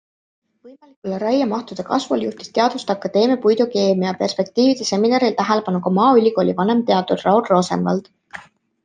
Võimalikule raiemahtude kasvule juhtis Teaduste Akadeemia puidukeemia perspektiivide seminaril tähelepanu ka Maaülikooli vanemteadur Raul Rosenvald.